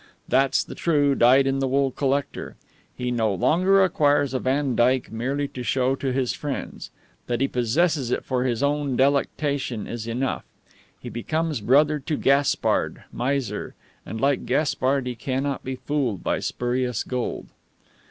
That's the true, dyed in the wool collector. He no longer acquires a Vandyke merely to show to his friends; that he possesses it for his own delectation is enough. He becomes brother to Gaspard, miser; and like Gaspard he cannot be fooled by spurious gold.